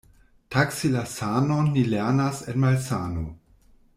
Taksi la sanon ni lernas en malsano.